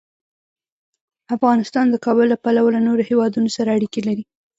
افغانستان د کابل له پلوه له نورو هېوادونو سره اړیکې لري.